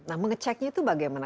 nah mengeceknya itu bagaimana